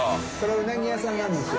海うなぎ屋さんなんですよ。